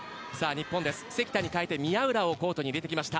日本は関田に代えて宮浦をコートに入れました。